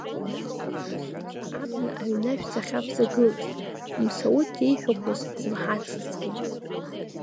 Уи усмызт, абна аҩнашә сахьавҵагылаз Мсауҭ иеиҳәақәоз смаҳазҭгьы.